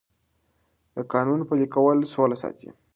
د قانون پلي کول سوله ساتي